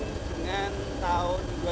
kita akan mencapai dengan tahun dua ribu sepuluh